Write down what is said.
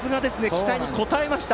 期待に応えました。